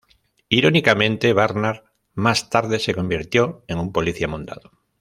Irónicamente, Barnard más tarde se convirtió en un policía montado.